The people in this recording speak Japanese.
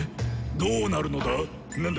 どうなるのだ⁉何だ。